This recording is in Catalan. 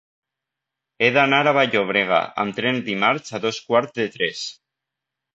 He d'anar a Vall-llobrega amb tren dimarts a dos quarts de tres.